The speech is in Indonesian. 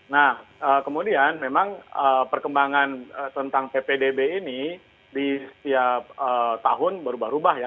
nah kemudian memang perkembangan tentang ppdb ini di setiap tahun berubah ubah ya